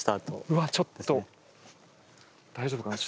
うわちょっと大丈夫かな？